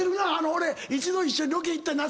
俺一度一緒にロケ行った夏。